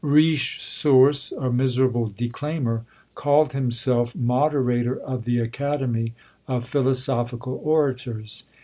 Richesource, a miserable declaimer, called himself "Moderator of the Academy of Philosophical Orators."